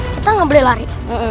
kita gak boleh lari